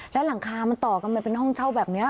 แล้วหลังคามันต่อกันไปเป็นห้องเช่าแบบนี้